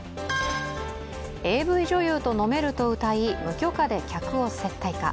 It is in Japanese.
ＡＶ女優と飲めるとうたい無許可で客を接待か。